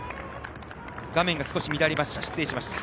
画面が乱れました。